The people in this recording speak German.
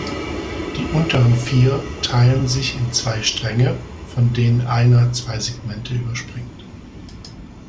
Die unteren vier teilen sich in zwei Stränge, von denen einer zwei Segmente überspringt.